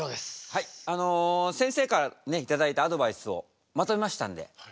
あのせんせいからね頂いたアドバイスをまとめましたんで。